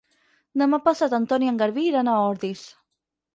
Demà passat en Ton i en Garbí iran a Ordis.